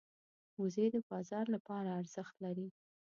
وزې د بازار لپاره ارزښت لري